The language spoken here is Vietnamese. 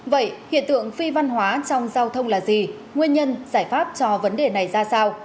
vậy hiện tượng phi văn hóa trong giao thông là gì nguyên nhân giải pháp cho vấn đề này ra sao